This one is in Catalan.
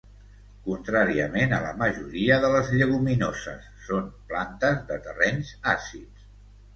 Contràriament a la majoria de les lleguminoses, són plantes de terrenys àcids.